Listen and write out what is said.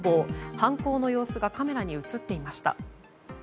犯行の様子がカメラに映っていました。